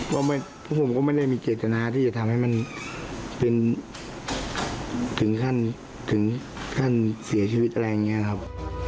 เพราะผมก็ไม่ได้มีเจตนาที่จะทำให้มันเป็นถึงขั้นถึงขั้นเสียชีวิตอะไรอย่างนี้นะครับ